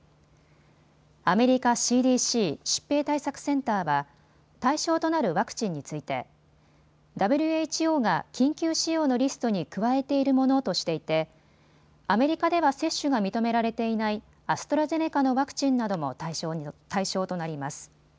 アメリカＣＤＣ・疾病対策センターは対象となるワクチンについてＷＨＯが緊急使用のリストに加えているものとしていてアメリカでは接種が認められていないアストラゼネカのワクチンなども対象となります。